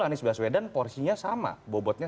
anies baswedan porsinya sama bobotnya